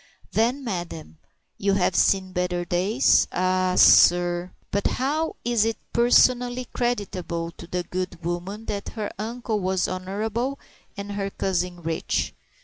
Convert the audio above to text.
"Then, madam, you have seen better days?" "Ah, sir " But how is it personally creditable to the good woman that her uncle was honorable and her cousin rich?